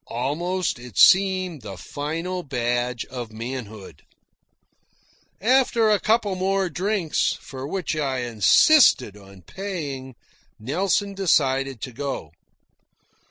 Almost it seemed the final badge of manhood. After a couple more drinks, for which I insisted on paying, Nelson decided to go.